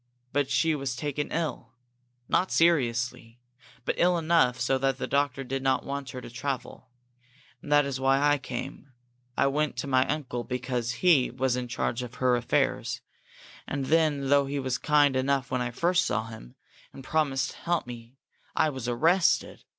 But she was taken ill. Not seriously, but ill enough so that the doctor did not want her to travel. And that was why I came. I went to my uncle, because he was in charge of her affairs. And then, though he was kind enough when I first saw him, and promised to help me, I was arrested.